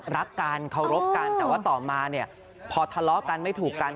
รักกันเคารพกันแต่ว่าต่อมาเนี่ยพอทะเลาะกันไม่ถูกกัน